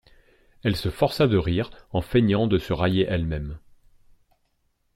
Elle se força de rire, en feignant de se railler elle-même.